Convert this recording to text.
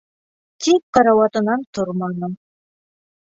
Тик карауатынан торманы.